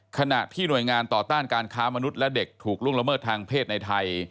ขณะที่หน่วยงานต่อต้านการค้ามนุษย์และเด็กถูกล่วงละเมิดทางเพศในไทย